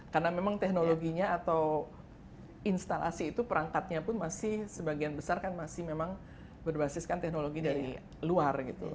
karena memang teknologinya atau instalasi itu perangkatnya pun masih sebagian besar kan masih memang berbasis kan teknologi dari luar gitu